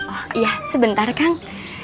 oh iya sebentar kang